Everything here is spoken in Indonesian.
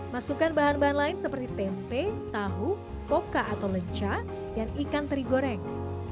masukkan bahan bahan lain seperti tempe tahu koka atau lenca dan ikan teri goreng